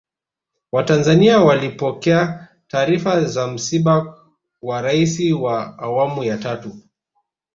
watanzania walipokea taarifa za msiba wa raisi wa awamu ya tatu